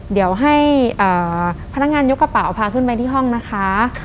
เดี๋ยวให้พนักงานยกกระเป๋าพาขึ้นไปที่ห้องนะคะ